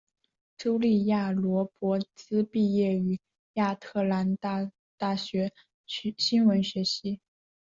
茱莉亚罗勃兹毕业于亚特兰大大学新闻学系。